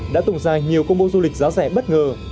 đã tổng dài nhiều công bố du lịch giá rẻ bất ngờ